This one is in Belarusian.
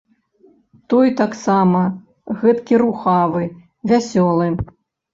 Той таксама гэткі рухавы, вясёлы.